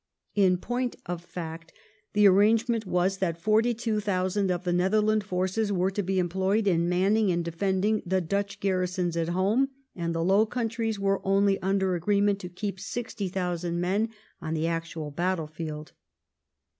In point of fact the arrangement was that forty two thousand of the Netherland forces were to be em ployed in manning and defending the Dutch garrisons at home, and the Low Countries were only under agreement to keep sixty thousand men on the actual battlefield.